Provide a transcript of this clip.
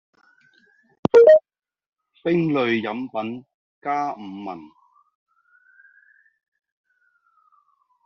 冰類飲品加五文